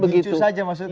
politik lucu saja maksudnya